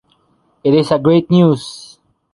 It is a great news.